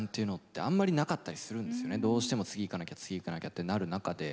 どうしても次行かなきゃ次行かなきゃってなる中で。